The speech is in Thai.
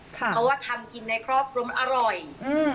เพราะว่าทำกินในครอบครุมอร่อย